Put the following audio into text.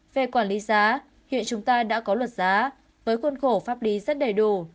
về quản lý giá hiện chúng ta đã có luật giá với khuôn khổ pháp lý rất đầy đủ